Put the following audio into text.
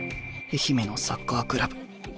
愛媛のサッカークラブ。